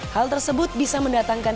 hal tersebut bisa mendatangkan